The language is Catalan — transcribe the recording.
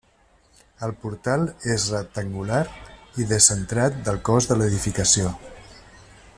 El portal és rectangular i descentrat del cos de l'edificació.